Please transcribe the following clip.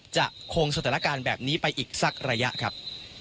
จะคงสถานการณ์แบบนี้ไปอีกสักระยะครับ